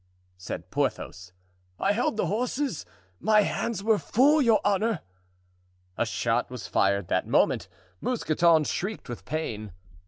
said Porthos. "I held the horses, my hands were full, your honor." A shot was fired that moment; Mousqueton shrieked with pain.